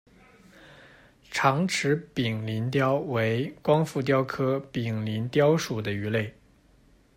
长齿柄鳞鲷为光腹鲷科柄鳞鲷属的鱼类。